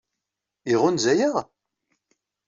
Iɣunza-yaɣ?